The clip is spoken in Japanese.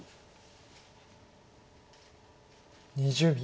２０秒。